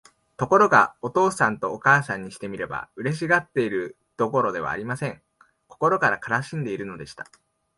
ところが、お父さんとお母さんにしてみれば、嬉しがっているどころではありません。心から悲しんでいるのでした。